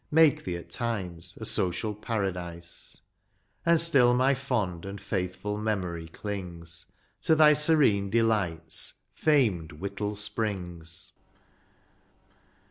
Make thee at times a social paradise. And still my fond and faithful memory clings To thy serene delights, famed Whittle Springs